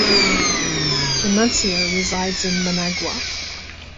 The nuncio resides in Managua.